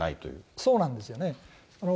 そうなんですよね。